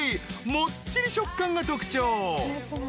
もっちり食感が特徴］